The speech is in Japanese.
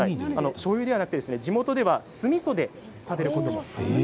しょうゆではなくて地元では酢みそで食べることがあるんです。